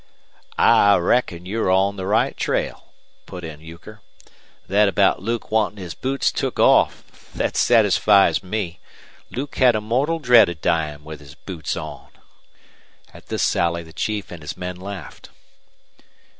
"I reckon you're on the right trail," put in Euchre. "Thet about Luke wantin' his boots took off thet satisfies me. Luke hed a mortal dread of dyin' with his boots on." At this sally the chief and his men laughed.